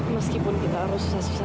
meskipun kita harus susah